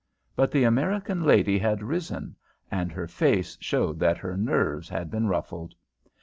But the American lady had risen, and her face showed that her nerves had been ruffled.